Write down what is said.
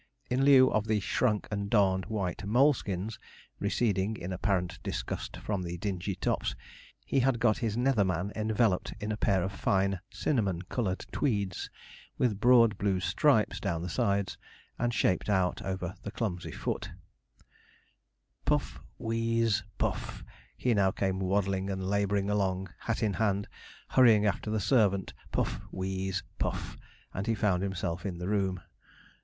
In lieu of the shrunk and darned white moleskins, receding in apparent disgust from the dingy tops, he had got his nether man enveloped in a pair of fine cinnamon coloured tweeds, with broad blue stripes down the sides, and shaped out over the clumsy foot. [Illustration: MR. JOGGLEBURY INTRODUCING HIMSELF TO MR. SPONGE] Puff, wheeze, puff, he now came waddling and labouring along, hat in hand, hurrying after the servant; puff, wheeze, puff, and he found himself in the room.